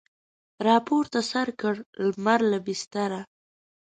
راپورته سر کړ لمر له بستره